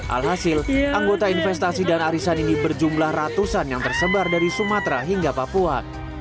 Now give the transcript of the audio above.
alhasil anggota investasi dan arisan ini berjumlah ratusan yang tersebar dari sumatera hingga papua